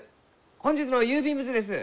本日の郵便物です。